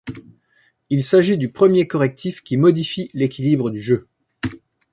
Il s'agit du premier correctif qui modifie l'équilibre du jeu.